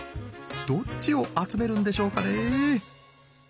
どっちを集めるんでしょうかね。